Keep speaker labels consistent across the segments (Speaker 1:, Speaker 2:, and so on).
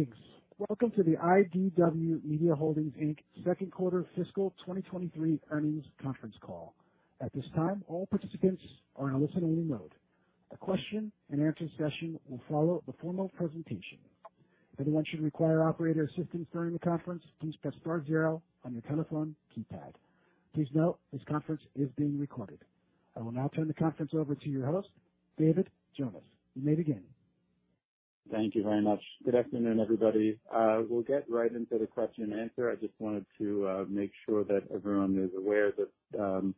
Speaker 1: Thanks. Welcome to the IDW Media Holdings Inc. Q2 fiscal 2023 earnings conference call. At this time, all participants are on a listen-only mode. A question-and-answer session will follow the formal presentation. If anyone should require operator assistance during the conference, please press star zero on your telephone keypad. Please note, this conference is being recorded. I will now turn the conference over to your host, Davidi Jonas. You may begin.
Speaker 2: Thank you very much. Good afternoon, everybody. We'll get right into the question and answer. I just wanted to make sure that everyone is aware that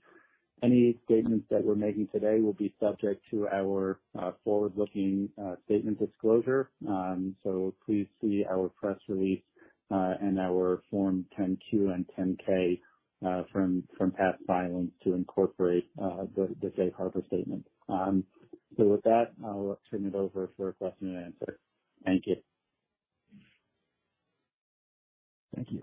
Speaker 2: any statements that we're making today will be subject to our forward-looking statement disclosure. Please see our press release and our Form 10-Q and 10-K from past filings to incorporate the safe harbor statement. With that, I'll turn it over for question and answer. Thank you.
Speaker 1: Thank you.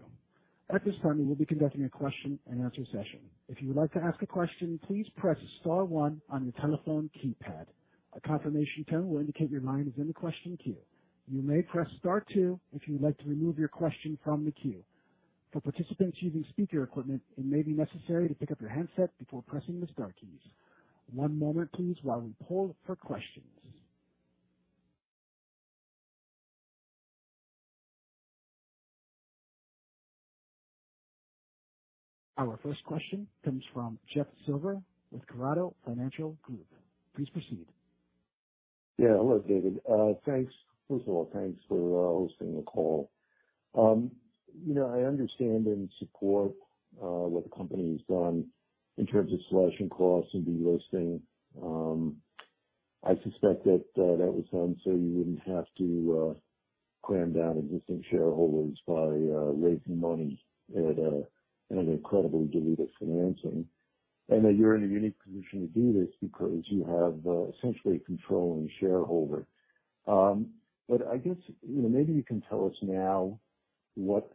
Speaker 1: At this time, we will be conducting a question-and-answer session. If you would like to ask a question, please press star one on your telephone keypad. A confirmation tone will indicate your line is in the question queue. You may press star two if you'd like to remove your question from the queue. For participants using speaker equipment, it may be necessary to pick up your handset before pressing the star keys. One moment, please, while we poll for questions. Our first question comes from Jeff Silver with Corrado Financial Group. Please proceed.
Speaker 3: Yeah. Hello, Davidi. Thanks. First of all, thanks for hosting the call. You know, I understand and support what the company's done in terms of slashing costs and delisting. I suspect that that was done so you wouldn't have to clam down existing shareholders by raising money at a, at an incredibly dilutive financing. That you're in a unique position to do this because you have essentially a controlling shareholder. I guess, you know, maybe you can tell us now what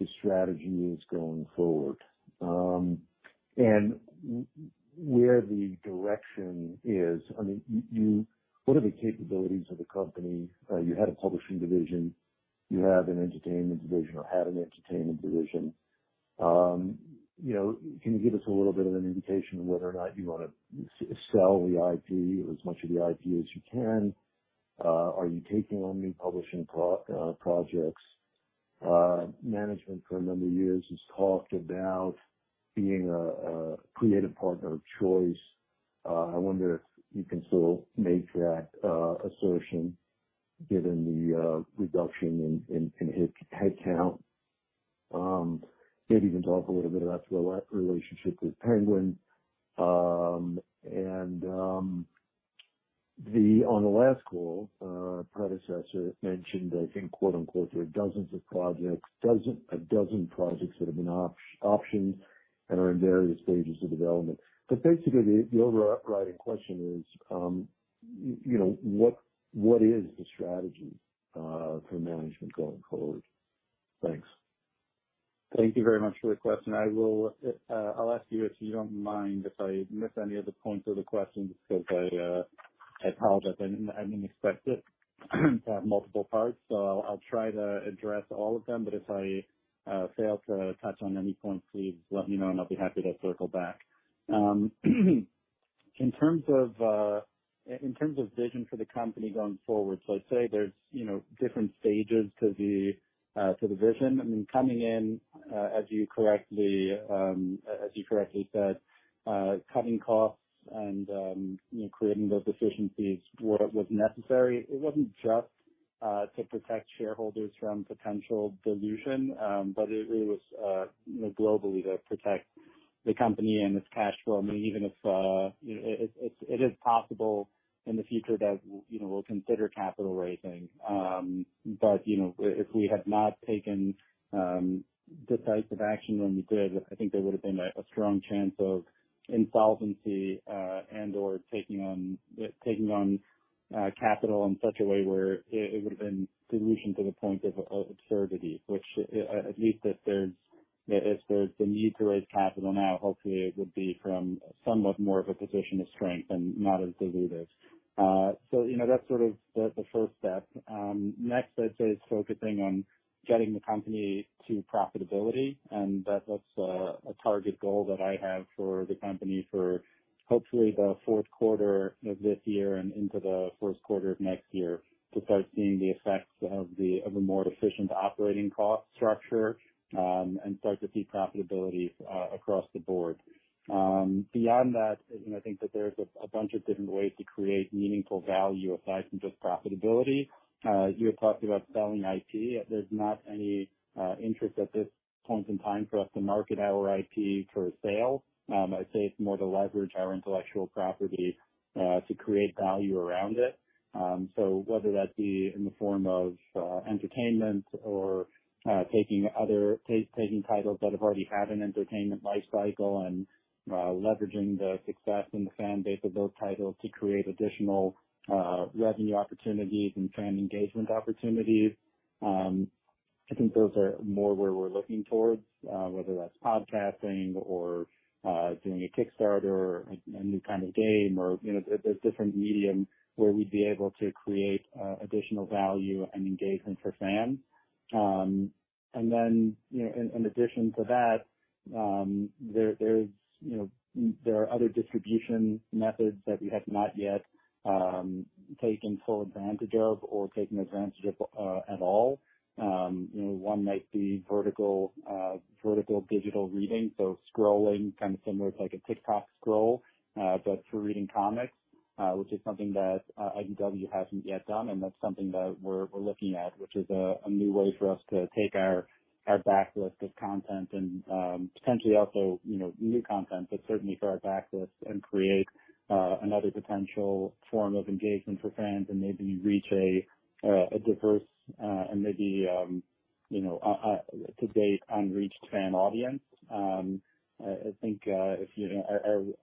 Speaker 3: the strategy is going forward and where the direction is. I mean, you what are the capabilities of the company? You had a publishing division, you have an entertainment division or had an entertainment division. you know, can you give us a little bit of an indication of whether or not you want to sell the IP or as much of the IP as you can? Are you taking on new publishing projects? Management for a number of years has talked about being a creative partner of choice. I wonder if you can still make that assertion given the reduction in headcount. Maybe you can talk a little bit about your relationship with Penguin. The... On the last call, predecessor mentioned, I think quote unquote, "There are dozens of projects, a dozen projects that have been optioned and are in various stages of development." Basically, the overriding question is, you know, what is the strategy for management going forward? Thanks.
Speaker 2: Thank you very much for the question. I will, I'll ask you, if you don't mind, if I miss any of the points of the question, just because I apologize, I didn't expect it to have multiple parts, so I'll try to address all of them, but if I fail to touch on any point, please let me know and I'll be happy to circle back. In terms of, in terms of vision for the company going forward, so I'd say there's, you know, different stages to the, to the vision. I mean coming in, as you correctly, as you correctly said, cutting costs and, you know, creating those efficiencies was necessary. It wasn't just to protect shareholders from potential dilution, but it really was, you know, globally to protect the company and its cash flow. I mean, even if, you know, it is possible in the future that, you know, we'll consider capital raising. You know, if we had not taken decisive action when we did, I think there would have been a strong chance of insolvency and/or taking on capital in such a way where it would have been dilution to the point of absurdity, which, at least if there's the need to raise capital now, hopefully it would be from somewhat more of a position of strength and not as dilutive. You know, that's sort of the first step. Next, I'd say, is focusing on getting the company to profitability, and that's a target goal that I have for the company for hopefully the Q4 of this year and into the Q1 of next year, to start seeing the effects of a more efficient operating cost structure, and start to see profitability across the board. Beyond that, you know, I think that there's a bunch of different ways to create meaningful value aside from just profitability. You had talked about selling IP. There's not any interest at this point in time for us to market our IP for sale. I'd say it's more to leverage our intellectual property to create value around it. So whether that be in the form of entertainment or taking other... taking titles that have already had an entertainment life cycle and leveraging the success and the fan base of those titles to create additional revenue opportunities and fan engagement opportunities... I think those are more where we're looking towards, whether that's podcasting or doing a Kickstarter, a new kind of game or, you know, there's different medium where we'd be able to create additional value and engagement for fans. And then, you know, in addition to that, there's, you know, there are other distribution methods that we have not yet taken full advantage of or taken advantage of at all. You know, one might be vertical digital reading, so scrolling, kind of similar to, like, a TikTok scroll, but for reading comics, which is something that IDW hasn't yet done, and that's something that we're looking at, which is a new way for us to take our backlist of content and potentially also, you know, new content, but certainly for our backlist, and create another potential form of engagement for fans and maybe reach a diverse and maybe, you know, a to-date unreached fan audience. I think, if you know,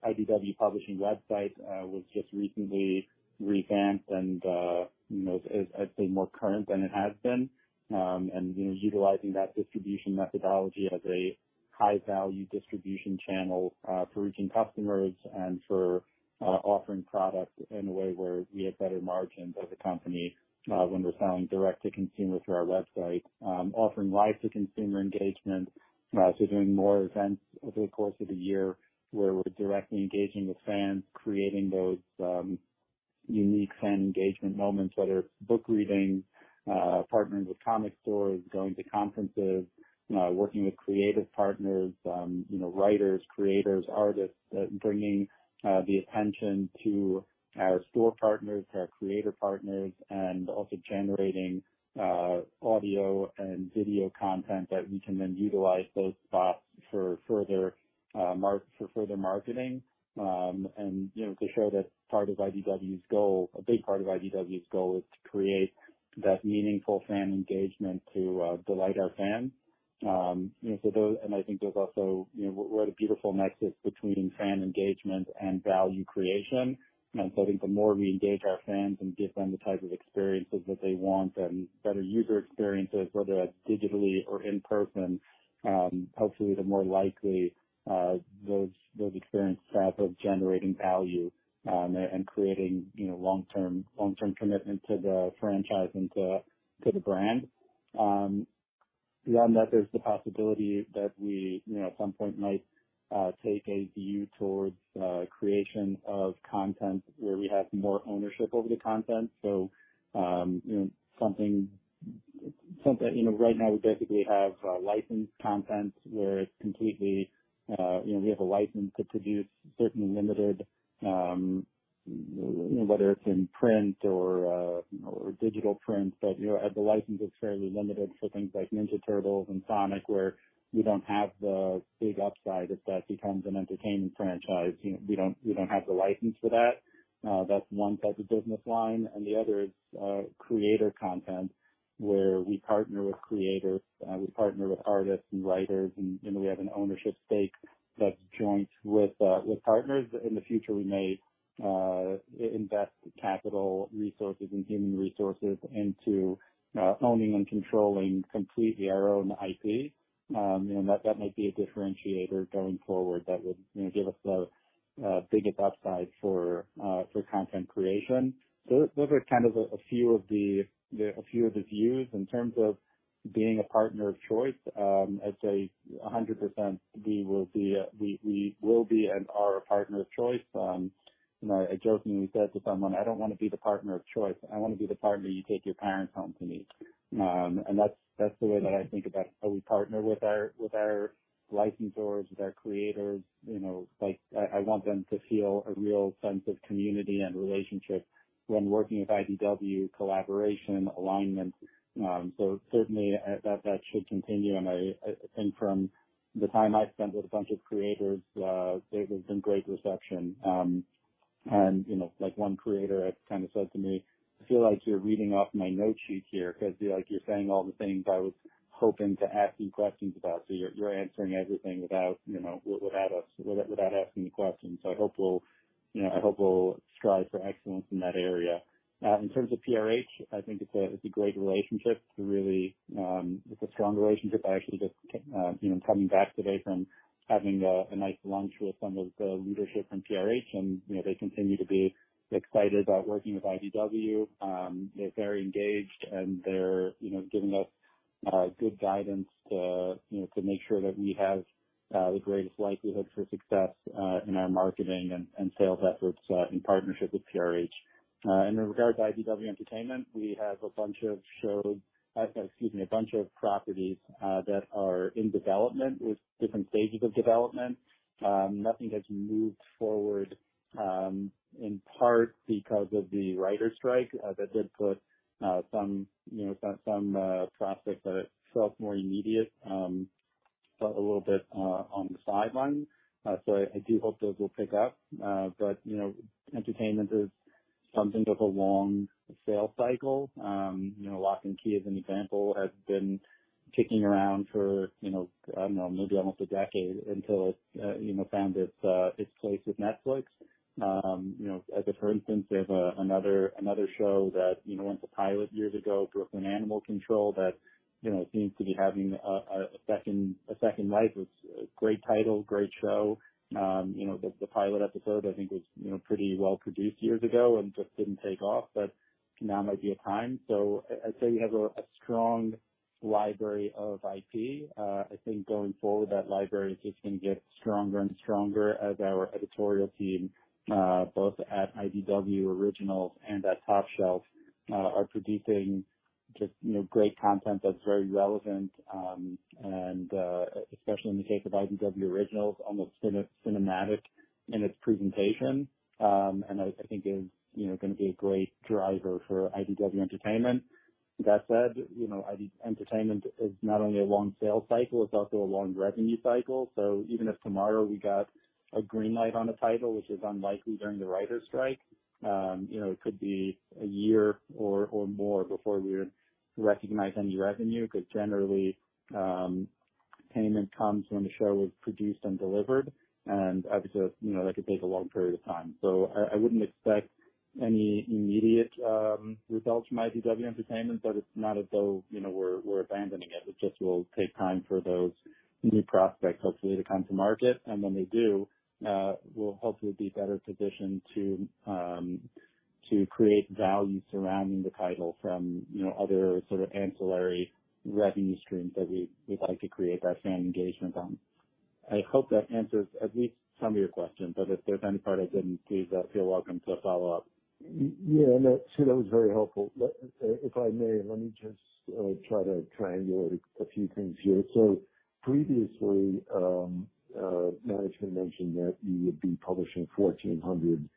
Speaker 2: our IDW Publishing website was just recently revamped and, you know, is, I'd say, more current than it has been. You know, utilizing that distribution methodology as a high-value distribution channel, for reaching customers and for offering products in a way where we have better margins as a company, when we're selling direct to consumer through our website. Offering live to consumer engagement, so doing more events over the course of the year where we're directly engaging with fans, creating those unique fan engagement moments, whether it's book readings, partnering with comic stores, going to conferences, working with creative partners, you know, writers, creators, artists, bringing the attention to our store partners, our creator partners, and also generating audio and video content that we can then utilize those spots for further marketing. You know, to show that part of IDW's goal, a big part of IDW's goal is to create that meaningful fan engagement to delight our fans. I think there's also, you know, what a beautiful nexus between fan engagement and value creation. You know, I think the more we engage our fans and give them the type of experiences that they want and better user experiences, whether that's digitally or in person, hopefully, the more likely those experience sets of generating value, and creating, you know, long-term commitment to the franchise and to the brand. Beyond that, there's the possibility that we, you know, at some point might take a view towards creation of content where we have more ownership over the content. You know, right now we basically have licensed content where it's completely, you know, we have a license to produce certain limited, you know, whether it's in print or digital print, but, you know, the license is fairly limited for things like Ninja Turtles and Sonic, where we don't have the big upside if that becomes an entertainment franchise. You know, we don't have the license for that. That's one type of business line, and the other is creator content, where we partner with creators, we partner with artists and writers, and, you know, we have an ownership stake that's joint with partners. In the future, we may invest capital resources and human resources into owning and controlling completely our own IP. That, that might be a differentiator going forward that will, you know, give us a biggest upside for content creation. Those are kind of a few of the views in terms of being a partner of choice. I'd say 100% we will be and are a partner of choice. You know, I jokingly said to someone, "I don't want to be the partner of choice. I want to be the partner you take your parents home to me." That's, that's the way that I think about how we partner with our licensors, with our creators. You know, like I want them to feel a real sense of community and relationship when working with IDW, collaboration, alignment. Certainly, that should continue. I think from the time I've spent with a bunch of creators, there has been great reception. you know, like one creator kind of said to me, "I feel like you're reading off my note sheet here because, like, you're saying all the things I was hoping to ask you questions about, so you're answering everything without, you know, without us, without asking the questions." I hope we'll, you know, I hope we'll strive for excellence in that area. In terms of PRH, I think it's a, it's a great relationship. Really, it's a strong relationship. I actually just, you know, coming back today from having a nice lunch with some of the leadership from PRH, and, you know, they continue to be excited about working with IDW. They're very engaged, and they're giving us good guidance to make sure that we have the greatest likelihood for success in our marketing and sales efforts in partnership with PRH. And in regards to IDW Entertainment, we have a bunch of properties that are in development with different stages of development. Nothing has moved forward in part because of the writers' strike that did put some prospects that felt more immediate a little bit on the sideline. I do hope those will pick up. Entertainment is something of a long sales cycle. You know, Locke & Key, as an example, has been kicking around for, you know, I don't know, maybe almost a decade until it, you know, found its place with Netflix. You know, as a for instance, there's another show that, you know, went to pilot years ago, Brooklyn Animal Control, that, you know, seems to be having a second life. It's a great title, great show. You know, the pilot episode, I think was, you know, pretty well produced years ago and just didn't take off, but now might be a time. I'd say you have a strong library of IP. I think going forward, that library is just going to get stronger and stronger as our editorial team, both at IDW Originals and at Top Shelf, are producing just, you know, great content that's very relevant. And, especially in the case of IDW Originals, almost cinematic in its presentation. And I think is, you know, going to be a great driver for IDW Entertainment. That said, you know, IDW Entertainment is not only a long sales cycle, it's also a long revenue cycle. Even if tomorrow we got a green light on a title, which is unlikely during the Writers' Strike, you know, it could be a year or more before we recognize any revenue, because generally, payment comes when the show is produced and delivered. Obviously, you know, that could take a long period of time. I wouldn't expect any immediate results from IDW Entertainment, but it's not as though, you know, we're abandoning it. It just will take time for those new prospects hopefully to come to market. When they do, we'll hopefully be better positioned to create value surrounding the title from, you know, other sort of ancillary revenue streams that we'd like to create our fan engagement on. I hope that answers at least some of your questions. If there's any part I didn't, please feel welcome to follow up.
Speaker 3: Yeah, no, see, that was very helpful. If I may, let me just try to triangulate a few things here. Previously, management mentioned that you would be publishing 1,400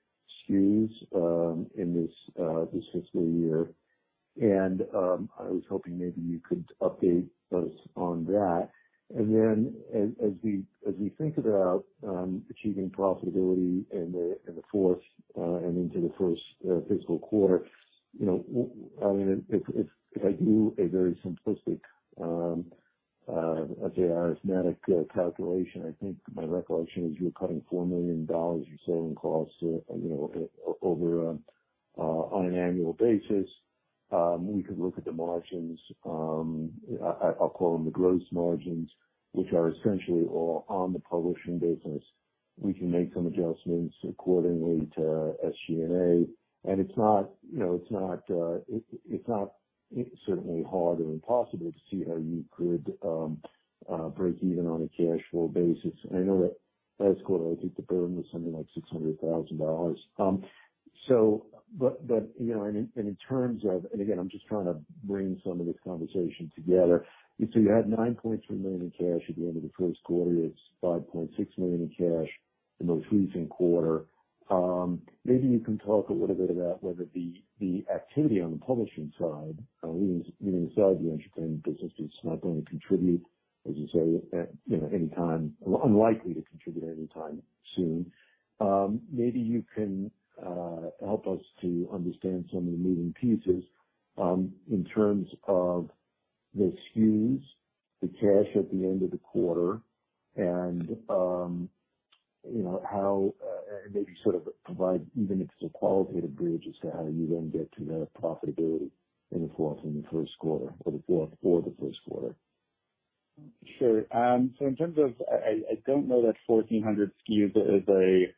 Speaker 3: SKUs in this fiscal year. I was hoping maybe you could update us on that. As we think about achieving profitability in the fourth and into the first fiscal quarter, you know, I mean, if I do a very simplistic, let's say arithmetic calculation, I think my recollection is you're cutting $4 million of selling costs, you know, over on an annual basis. We could look at the margins, I'll call them the gross margins, which are essentially all on the publishing business. We can make some adjustments accordingly to SG&A. It's not, you know, it's not certainly hard or impossible to see how you could break even on a cash flow basis. I know that last quarter, I think the burden was something like $600,000. But, you know, and in terms of and again, I'm just trying to bring some of this conversation together. You had $9.3 million in cash at the end of the Q1r, it's $5.6 million in cash in the recent quarter. Maybe you can talk a little bit about whether the activity on the publishing side, meaning the side of the entertainment business, it's not going to contribute, as you say, you know, unlikely to contribute anytime soon. Maybe you can help us to understand some of the moving pieces, in terms of the SKUs, the cash at the end of the quarter, and, you know, how maybe sort of provide, even if it's a qualitative bridge, as to how you then get to profitability in the Q4 and the Q1 or the Q4 for the Q1.
Speaker 2: Sure. In terms of I don't know that 1,400 SKUs is a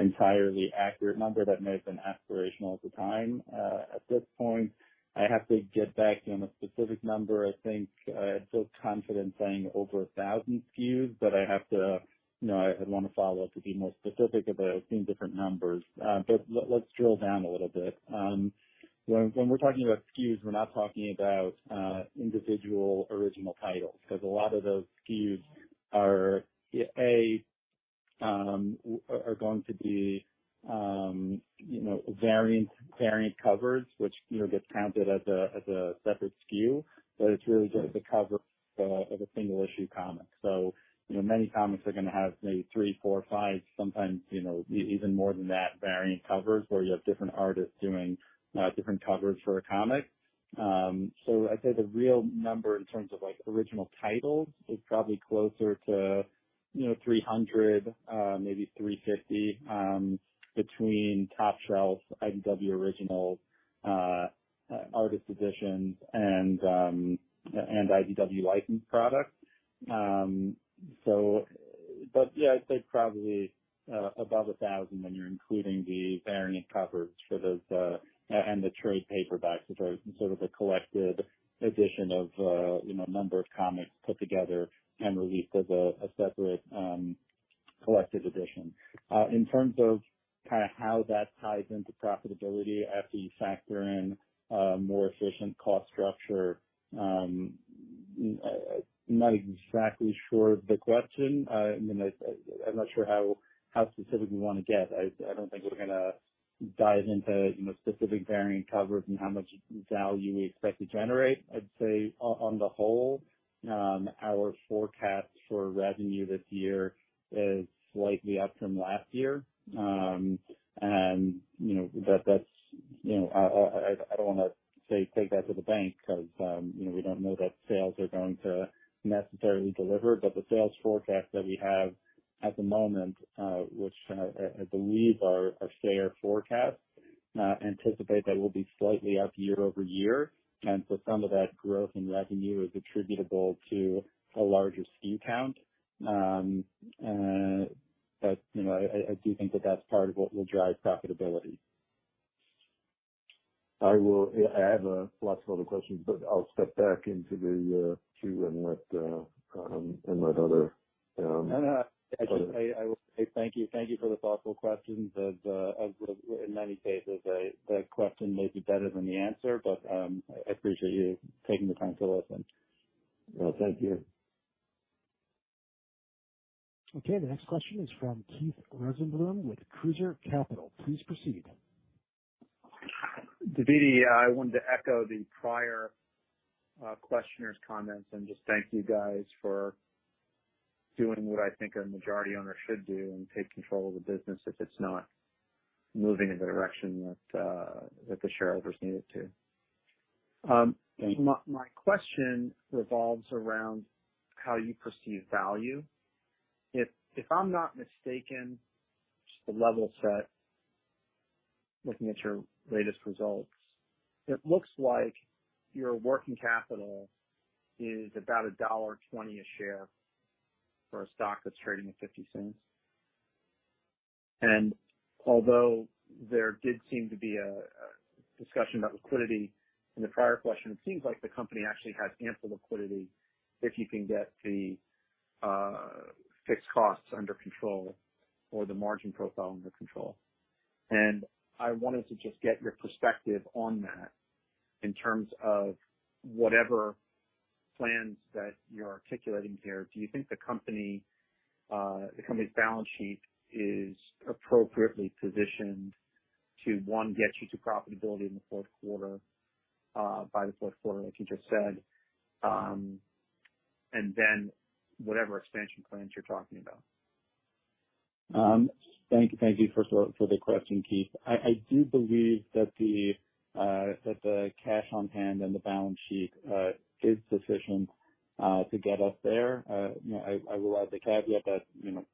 Speaker 2: entirely accurate number. That may have been aspirational at the time. At this point, I have to get back on a specific number. I think, I feel confident saying over 1,000 SKUs, I have to, you know, I'd want to follow up to be more specific about some different numbers. Let's drill down a little bit. When we're talking about SKUs, we're not talking about individual original titles, because a lot of those SKUs are going to be, you know, variant covers, which, you know, gets counted as a, as a separate SKU, but it's really just a cover of a single issue comic. you know, many comics are going to have maybe 3, 4, 5 sometimes, you know, even more than that, variant covers, where you have different artists doing different covers for a comic. I'd say the real number in terms of like original titles is probably closer to, you know, 300, maybe 350, between Top Shelf, IDW Originals, artist editions and IDW licensed products. Yeah, I'd say probably above 1,000 when you're including the variant covers for those and the trade paperbacks, which are sort of a collected edition of, you know, a number of comics put together and released as a separate collected edition. In terms of kind of how that ties into profitability after you factor in more efficient cost structure, I'm not exactly sure of the question. I mean, I'm not sure how specific we want to get. I don't think we're gonna dive into, you know, specific variant covers and how much value we expect to generate. I'd say on the whole, our forecast for revenue this year is slightly up from last year. You know, that's... You know, I don't wanna say take that to the bank because, you know, we don't know that sales are going to necessarily deliver. The sales forecast that we have at the moment, which, I believe are a fair forecast, anticipate that we'll be slightly up year-over-year. Some of that growth in revenue is attributable to a larger SKU count. You know, I do think that that's part of what will drive profitability.
Speaker 3: I have lots of other questions, but I'll step back into the queue and let other.
Speaker 2: No, no. I will say thank you. Thank you for the thoughtful questions and as in many cases, the question may be better than the answer, but I appreciate you taking the time to listen.
Speaker 3: Well, thank you.
Speaker 1: Okay, the next question is from Keith Rosenbloom with Cruiser Capital. Please proceed.
Speaker 4: Davidi, I wanted to echo the prior, questioner's comments and just thank you guys for doing what I think a majority owner should do and take control of the business if it's not moving in the direction that the shareholders need it to.
Speaker 2: thank you.
Speaker 4: My question revolves around how you perceive value. If I'm not mistaken, just to level set, looking at your latest results, it looks like your working capital is about $1.20 a share for a stock that's trading at $0.50. Although there did seem to be a discussion about liquidity in the prior question, it seems like the company actually has ample liquidity if you can get the fixed costs under control or the margin profile under control. I wanted to just get your perspective on that in terms of whatever plans that you're articulating here. Do you think the company's balance sheet is appropriately positioned to, one, get you to profitability in the Q4 by the Q4, like you just said, whatever expansion plans you're talking about?
Speaker 2: Thank you for the question, Keith. I do believe that the cash on hand and the balance sheet is sufficient to get us there. You know, I will add the caveat that, you know,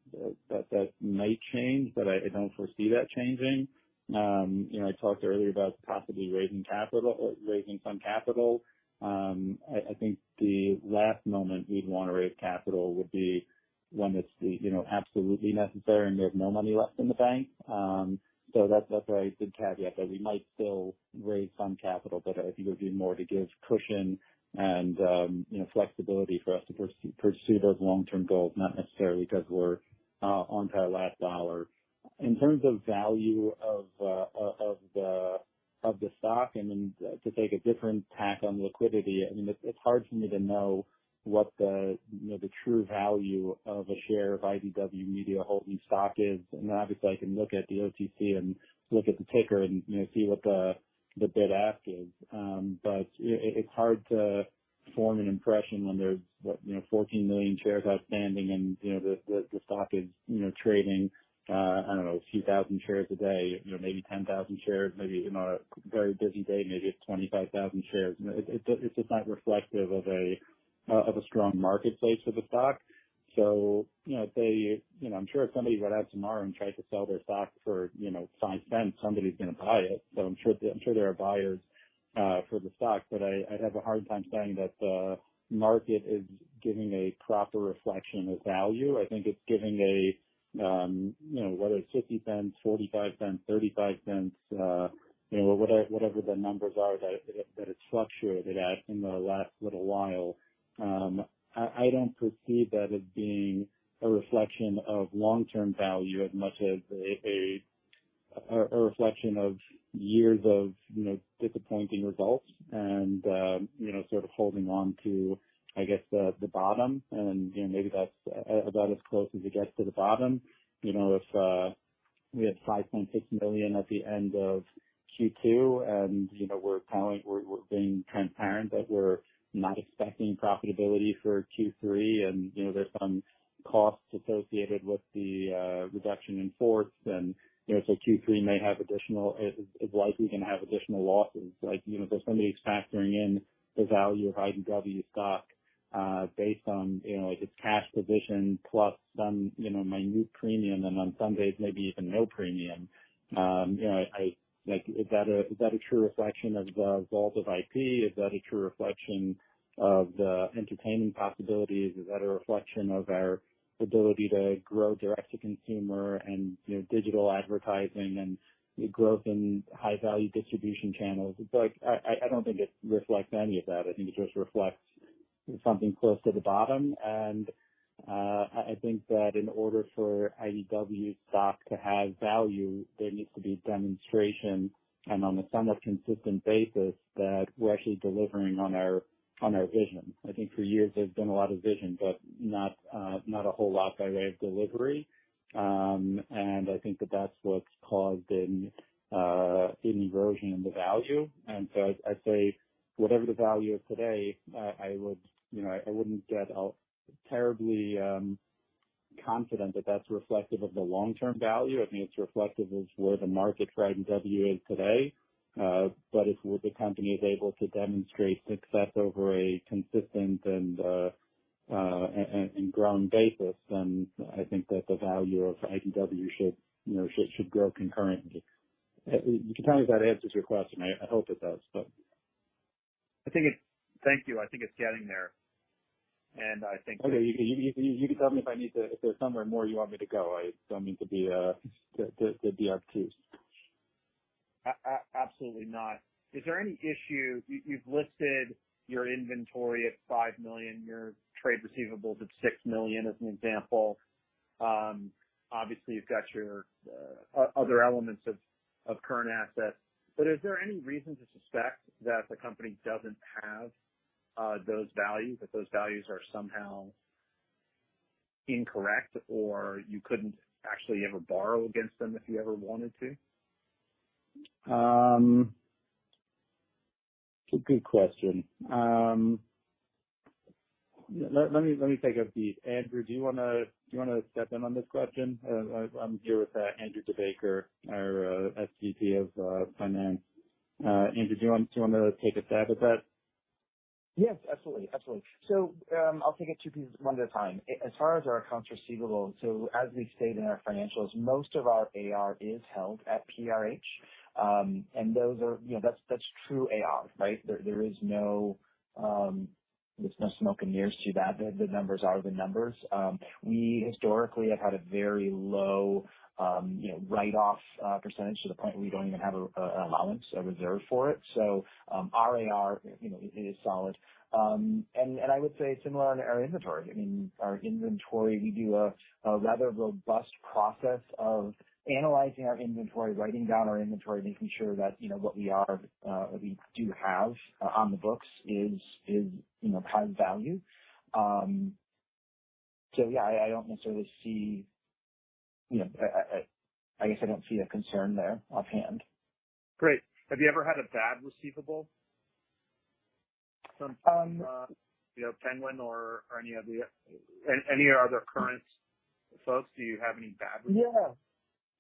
Speaker 2: that may change, but I don't foresee that changing. You know, I talked earlier about possibly raising capital or raising some capital. I think the last moment we'd want to raise capital would be when it's, you know, absolutely necessary and there's no money left in the bank. That's a very good caveat, that we might still raise some capital, but I think it would be more to give cushion and, you know, flexibility for us to pursue those long-term goals, not necessarily because we're onto our last dollar. In terms of value of the stock, then to take a different tack on liquidity, I mean, it's hard for me to know what the, you know, the true value of a share of IDW Media Holding stock is. Obviously, I can look at the OTC and look at the ticker and, you know, see what the bid-ask is. But it's hard to form an impression when there's, what, you know, 14 million shares outstanding and, you know, the stock is, you know, trading, I don't know, a few thousand shares a day, you know, maybe 10,000 shares, maybe, you know, a very busy day, maybe it's 25,000 shares. It's just not reflective of a strong market base for the stock. You know, if they... You know, I'm sure if somebody went out tomorrow and tried to sell their stock for, you know, $0.05, somebody's gonna buy it. I'm sure there are buyers for the stock, but I'd have a hard time saying that the market is giving a proper reflection of value. I think it's giving a, you know, whether it's $0.50, $0.45, $0.35, you know, whatever the numbers are, that it's fluctuated at in the last little while. I don't perceive that as being a reflection of long-term value as much as a reflection of years of, you know, disappointing results and, you know, sort of holding on to, I guess, the bottom. You know, maybe that's about as close as it gets to the bottom. You know, if we had $5.6 million at the end of Q2, and, you know, we're being transparent that we're not expecting profitability for Q3, and, you know, there's some costs associated with the reduction in force, then, you know, so Q3 is likely going to have additional losses, like, you know, so somebody's factoring in the value of IDW stock, based on, you know, like its cash position plus some, you know, minute premium and on some days, maybe even no premium. You know, like, is that a true reflection of the vault of IP? Is that a true reflection of the entertaining possibilities? Is that a reflection of our ability to grow direct to consumer and, you know, digital advertising and growth in high value distribution channels? I don't think it reflects any of that. I think it just reflects something close to the bottom. I think that in order for IDW stock to have value, there needs to be demonstration, and on a somewhat consistent basis, that we're actually delivering on our, on our vision. I think for years there's been a lot of vision, but not a whole lot by way of delivery. I think that that's what's caused an erosion in the value. I'd say, whatever the value is today, I would, you know, I wouldn't get terribly confident that that's reflective of the long-term value. I think it's reflective of where the market for IDW is today. If the company is able to demonstrate success over a consistent and ground basis, then I think that the value of IDW should, you know, should grow concurrently. You can tell me if that answers your question. I hope it does, but.
Speaker 4: Thank you. I think it's getting there.
Speaker 2: Okay, you can tell me if I need to, if there's somewhere more you want me to go. I don't mean to be the DRQ.
Speaker 4: Absolutely not. Is there any issue. You've listed your inventory at $5 million, your trade receivables at $6 million, as an example. Obviously, you've got your other elements of current assets, but is there any reason to suspect that the company doesn't have those values, that those values are somehow incorrect, or you couldn't actually ever borrow against them if you ever wanted to?
Speaker 2: Good question. Let me take a beat. Andrew, do you wanna step in on this question? I'm here with Andrew DeBaker, our SVP of Finance. Andrew, do you wanna take a stab at that?
Speaker 5: Yes, absolutely. Absolutely. I'll take it two pieces, one at a time. As far as our accounts receivable, as we've stated in our financials, most of our AR is held at PRH. And those are... You know, that's true AR, right? There is no, there's no smoke and mirrors to that. The numbers are the numbers. We historically have had a very low, you know, write off percentage to the point where we don't even have an allowance, a reserve for it. Our AR, you know, is solid. And I would say similar in our inventory. I mean, our inventory, we do a rather robust process of analyzing our inventory, writing down our inventory, making sure that, you know, what we are, we do have on the books is, you know, high value. Yeah, I don't necessarily see, you know, I guess I don't see a concern there offhand.
Speaker 4: Great. Have you ever had a bad receivable from, you know, Penguin or any other, any of our other current folks? Do you have any bad receivables?
Speaker 5: Yeah.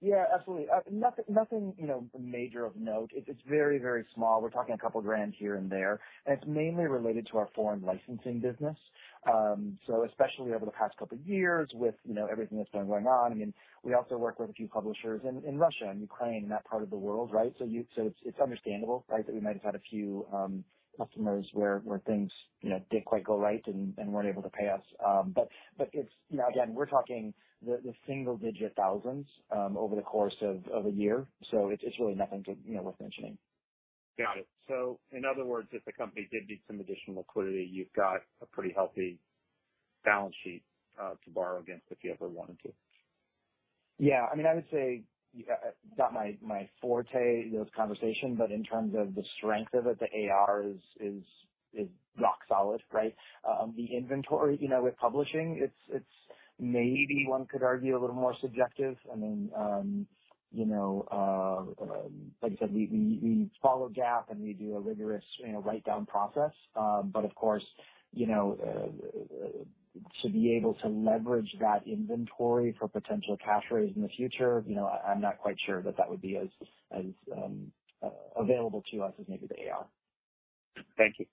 Speaker 5: Yeah, absolutely. Nothing, you know, major of note. It's very, very small. We're talking a couple $1,000 here and there, and it's mainly related to our foreign licensing business. Especially over the past couple of years with, you know, everything that's been going on. I mean, we also work with a few publishers in Russia and Ukraine and that part of the world, right? It's understandable, right, that we might have had a few customers where things, you know, didn't quite go right and weren't able to pay us. It's, you know, again, we're talking the single-digit $1,000s over the course of a year. It's really nothing to, you know, worth mentioning.
Speaker 4: Got it. In other words, if the company did need some additional liquidity, you've got a pretty healthy balance sheet to borrow against if you ever wanted to.
Speaker 5: Yeah. I mean, I would say, not my forte, this conversation, but in terms of the strength of it, the AR is rock solid, right? The inventory, you know, with publishing, it's maybe one could argue a little more subjective. I mean, you know, like I said, we follow GAAP, and we do a rigorous, you know, write down process. Of course, you know, to be able to leverage that inventory for potential cash raise in the future, you know, I'm not quite sure that that would be as available to us as maybe the AR.
Speaker 4: Thank you.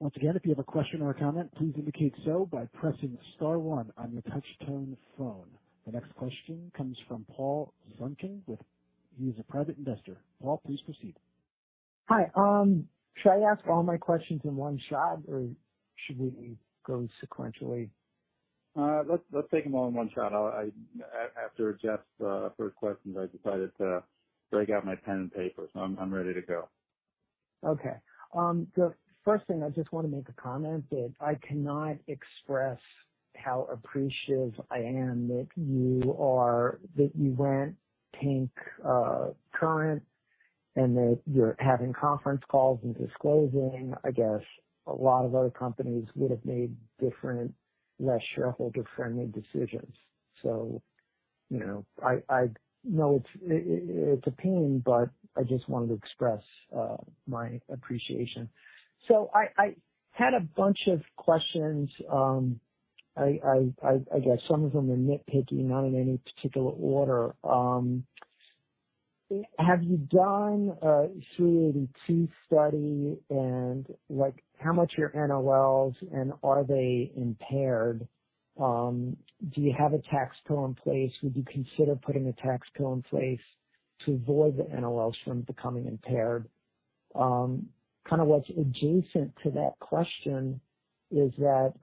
Speaker 1: Once again, if you have a question or a comment, please indicate so by pressing star one on your touch tone phone. The next question comes from Paul Zunken. He is a private investor. Paul, please proceed.
Speaker 6: Hi. Should I ask all my questions in one shot, or should we go sequentially?
Speaker 4: Let's take them all in one shot. I after Jeff's first question, I decided to break out my pen and paper. I'm ready to go.
Speaker 6: Okay. The first thing, I just want to make a comment that I cannot express how appreciative I am that you are, that you went 10-K current, and that you're having conference calls and disclosing. I guess a lot of other companies would have made different, less shareholder-friendly decisions. You know, I know it's a pain, but I just wanted to express my appreciation. I had a bunch of questions. I guess some of them are nitpicky, not in any particular order. Have you done a Section 382 study, and, like, how much are your NOLs, and are they impaired? Do you have a tax CO in place? Would you consider putting a tax CO in place to avoid the NOLs from becoming impaired? Kind of what's adjacent to that question is that,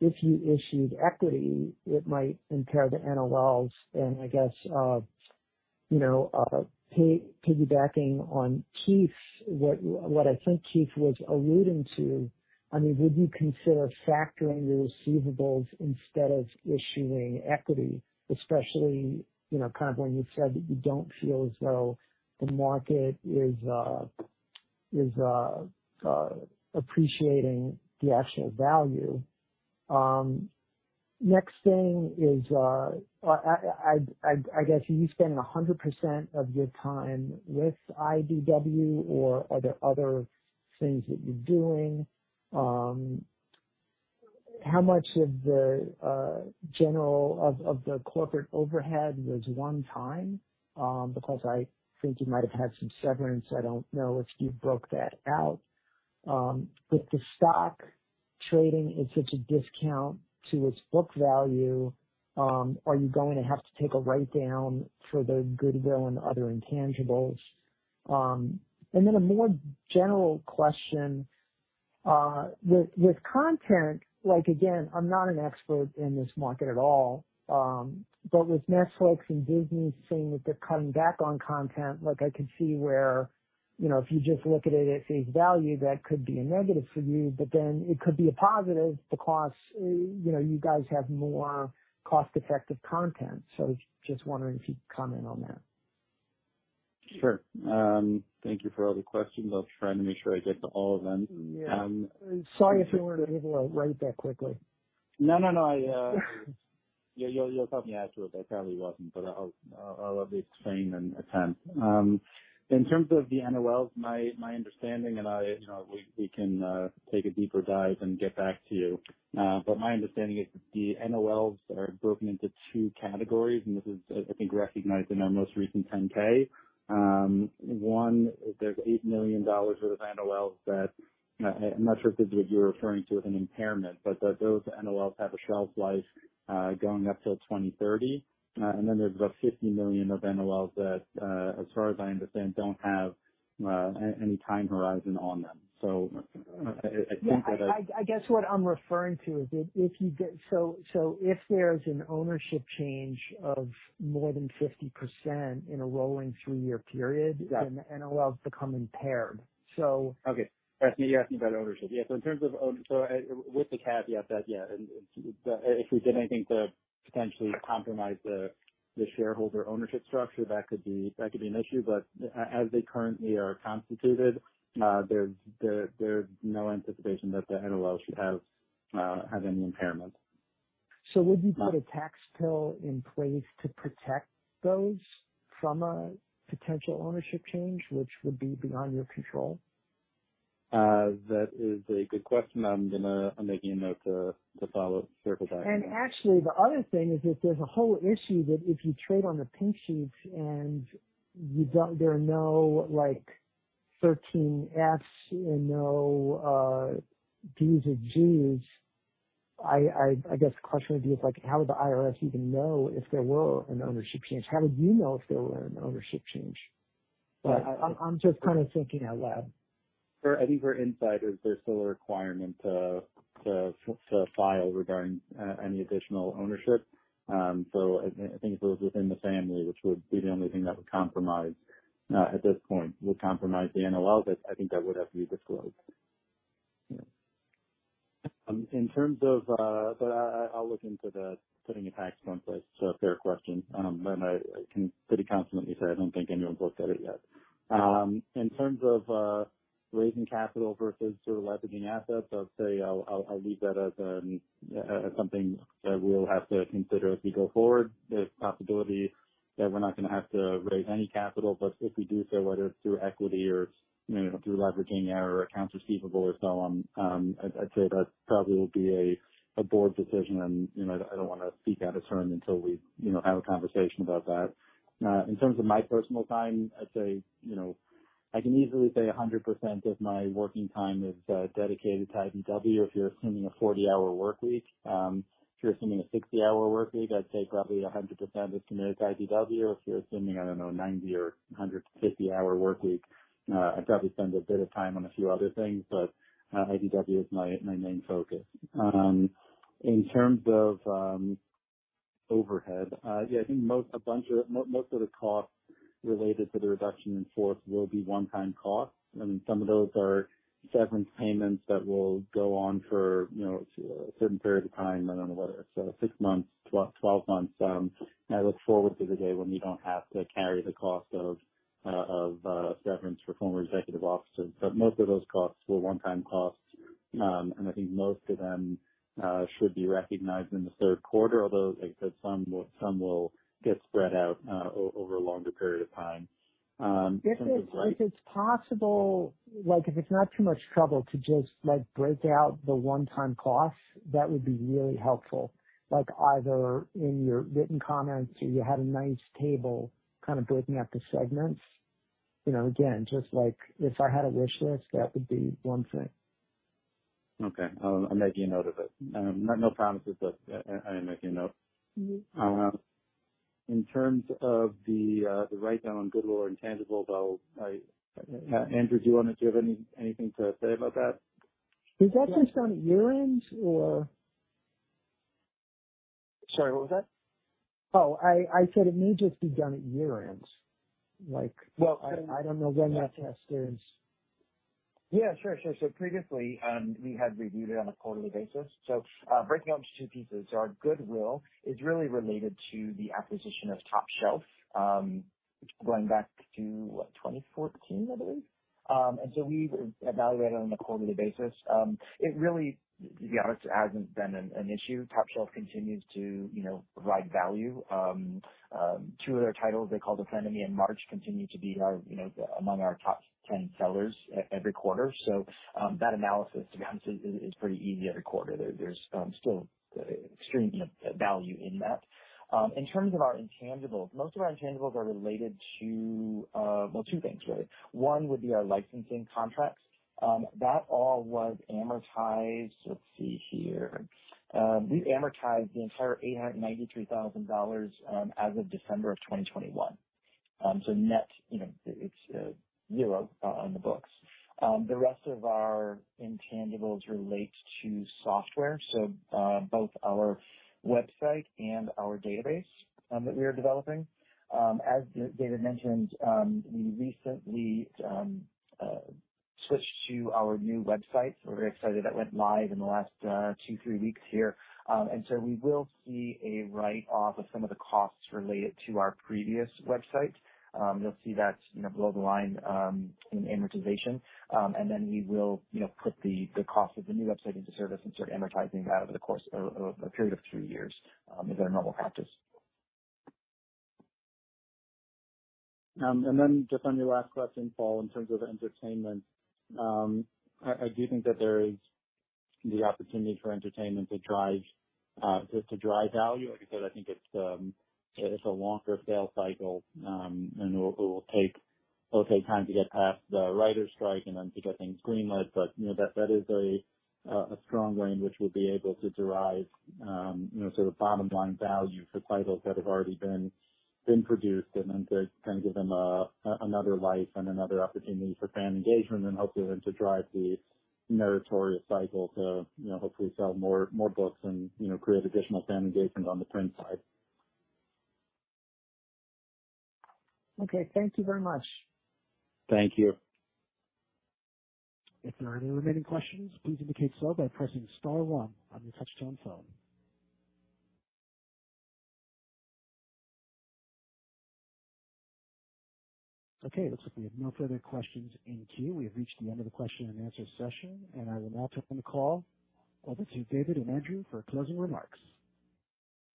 Speaker 6: if you issued equity, it might impair the NOLs and I guess, you know, piggybacking on Keith, what I think Keith was alluding to, I mean, would you consider factoring your receivables instead of issuing equity, especially, you know, kind of when you said that you don't feel as though the market is appreciating the actual value? Next thing is, I guess, are you spending 100% of your time with IDW, or are there other things that you're doing? How much of the general of the corporate overhead was one time? Because I think you might have had some severance. I don't know if you broke that out. With the stock trading at such a discount to its book value, are you going to have to take a write-down for the goodwill and other intangibles? Then a more general question, with content, like, again, I'm not an expert in this market at all, but with Netflix and Disney saying that they're cutting back on content, like I could see where, you know, if you just look at it at face value, that could be a negative for you, but then it could be a positive because, you know, you guys have more cost-effective content. Just wondering if you'd comment on that.
Speaker 2: Sure. Thank you for all the questions. I'll try to make sure I get to all of them.
Speaker 6: Yeah.
Speaker 2: Um-
Speaker 6: Sorry if you weren't able to write that quickly.
Speaker 2: No, no, I. Yeah, you're totally accurate. I probably wasn't, but I'll, I'll be sane and attempt. In terms of the NOLs, my understanding, and I, you know, we can take a deeper dive and get back to you. But my understanding is that the NOLs are broken into two categories, and this is, I think, recognized in our most recent 10-K. One, there's $8 million worth of NOL that. I'm not sure if this is what you're referring to as an impairment, but that those NOLs have a shelf life, going up till 2030. And then there's about $50 million of NOLs that, as far as I understand, don't have any time horizon on them. I think that.
Speaker 6: Yeah, I guess what I'm referring to is if there's an ownership change of more than 50% in a rolling three-year period.
Speaker 2: Got it.
Speaker 6: The NOLs become impaired.
Speaker 2: Okay. You're asking about ownership? Yeah. In terms of so with the caveat that, yeah, if we did anything to potentially compromise the shareholder ownership structure, that could be an issue. As they currently are constituted, there's no anticipation that the NOL should have any impairment.
Speaker 6: Would you put a tax pill in place to protect those from a potential ownership change, which would be beyond your control?
Speaker 2: That is a good question. I'm making a note to follow circle back.
Speaker 6: Actually, the other thing is that there's a whole issue that if you trade on the Pink Sheets and you don't there are no like 13Fs and no Ds or Gs, I guess the question would be is like, how would the IRS even know if there were an ownership change? How would you know if there were an ownership change? I'm just kind of thinking out loud.
Speaker 2: Sure. I think for insiders, there's still a requirement to file regarding any additional ownership. I think if it was within the family, which would be the only thing that would compromise at this point, would compromise the NOL, but I think that would have to be disclosed. Yeah. In terms of. I'll look into the putting a tax plan in place. It's a fair question, and I can pretty confidently say I don't think anyone's looked at it yet. In terms of raising capital versus sort of leveraging assets, I'd say I'll leave that as something that we'll have to consider as we go forward. There's a possibility that we're not gonna have to raise any capital, but if we do so, whether it's through equity or, you know, through leveraging our accounts receivable or so on, I'd say that probably will be a board decision. You know, I don't want to speak out of turn until we, you know, have a conversation about that. In terms of my personal time, I'd say, you know, I can easily say 100% of my working time is dedicated to IDW. If you're assuming a 40-hour workweek. If you're assuming a 60-hour workweek, I'd say probably 100% is committed to IDW or if you're assuming, I don't know, 90-hour or 150-hour workweek, I'd probably spend a bit of time on a few other things, but IDW is my main focus. In terms of overhead, yeah, I think most of the costs related to the reduction in force will be one-time costs. I mean, some of those are severance payments that will go on for, you know, a certain period of time. I don't know whether it's six months, 12 months. I look forward to the day when we don't have to carry the cost of severance for former executive officers, but most of those costs were one-time costs. I think most of them should be recognized in the third quarter, although, like I said, some will, some will get spread out over a longer period of time. In terms of-
Speaker 6: If it's possible, like, if it's not too much trouble to just, like, break out the one-time costs, that would be really helpful. Like, either in your written comments, you had a nice table kind of breaking out the segments. You know, again, just like if I had a wish list, that would be one thing.
Speaker 2: Okay, I'll make you a note of it. No promises, but I am making a note.
Speaker 6: Mm-hmm.
Speaker 2: In terms of the write-down on goodwill or intangible, though, Andrew, do you have anything to say about that?
Speaker 6: Is that based on year-ends or?
Speaker 2: Sorry, what was that?
Speaker 6: Oh, I said it may just be done at year-ends. Like...
Speaker 2: Well-
Speaker 6: I don't know when that test is.
Speaker 5: Yeah, sure. Previously, we had reviewed it on a quarterly basis. Breaking up into two pieces. Our goodwill is really related to the acquisition of Top Shelf. ...which going back to, what, 2014, I believe. We've evaluated on a quarterly basis. It really, to be honest, hasn't been an issue. Top Shelf continues to, you know, provide value. Two other titles they called Ephemy and March, continue to be our, you know, among our top 10 sellers every quarter. That analysis, to be honest, is pretty easy every quarter. There's still extremely value in that. In terms of our intangibles, most of our intangibles are related to two things, right? One would be our licensing contracts. That all was amortized. Let's see here. We've amortized the entire $893 thousand as of December of 2021. Net, you know, it's zero on the books. The rest of our intangibles relate to software, so, both our website and our database that we are developing. As David mentioned, we recently switched to our new website, so we're very excited. That went live in the last two, three weeks here. We will see a write-off of some of the costs related to our previous website. You'll see that, you know, below the line in amortization. We will, you know, put the cost of the new website into service and start amortizing that over the course of a period of two years is our normal practice.
Speaker 2: Just on your last question, Paul, in terms of entertainment, I do think that there is the opportunity for entertainment to drive just to drive value. Like I said, I think it's a longer sales cycle, it will take time to get past the writers strike and then to get things green lit. You know, that is a strong lane which will be able to derive, you know, sort of bottom line value for titles that have already been produced, and then to kind of give them another life and another opportunity for fan engagement and hopefully then to drive the meritorious cycle to, you know, hopefully sell more books and, you know, create additional fan engagements on the print side.
Speaker 6: Okay. Thank you very much.
Speaker 2: Thank you.
Speaker 1: If there are any remaining questions, please indicate so by pressing star one on your touchtone phone. Okay, looks like we have no further questions in queue. We have reached the end of the question and answer session. I will now turn the call over to David and Andrew for closing remarks.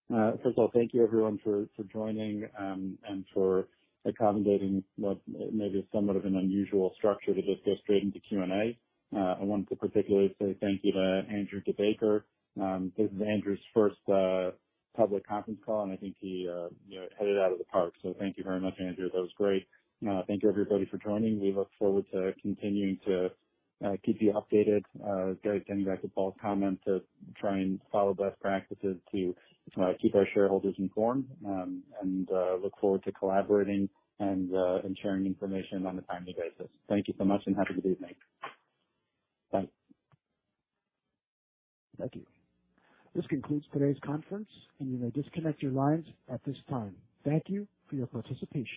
Speaker 2: First of all, thank you, everyone, for joining, and for accommodating what maybe is somewhat of an unusual structure to just go straight into Q&A. I wanted to particularly say thank you to Andrew DeBaker. This is Andrew's first public conference call, and I think he, you know, hit it out of the park. Thank you very much, Andrew. That was great. Thank you, everybody, for joining. We look forward to continuing to keep you updated. Gary, coming back to Paul's comment, to try and follow best practices to keep our shareholders informed, and look forward to collaborating and sharing information on a timely basis. Thank you so much and have a good evening. Bye.
Speaker 1: Thank you. This concludes today's conference. You may disconnect your lines at this time. Thank you for your participation.